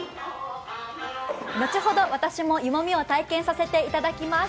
後ほど私も湯もみを体験させていただきます。